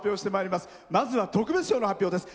まずは特別賞の発表です。